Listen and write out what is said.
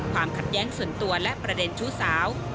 ความขัดแย้งส่วนตัวและประเด็นชู้สาว